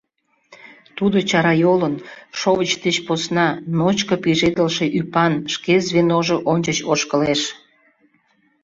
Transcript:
Тудо чарайолын, шовыч деч посна, ночко пижедылше ӱпан, шке звеножо ончыч ошкылеш.